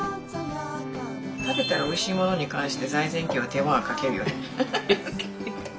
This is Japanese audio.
食べたらおいしいものに関して財前家は手間はかけるよね。